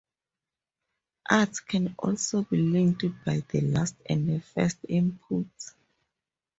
Arts can also be linked by the last and first inputs.